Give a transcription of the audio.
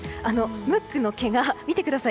ムックの毛を見てください。